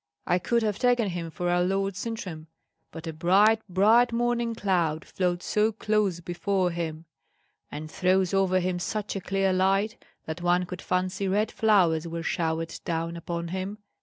I could have taken him for our Lord Sintram but a bright, bright morning cloud floats so close before him, and throws over him such a clear light, that one could fancy red flowers were showered down upon him.